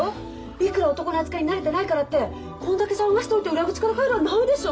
いくら男の扱いに慣れてないからってこんだけ騒がしといて裏口から帰るはないでしょ！？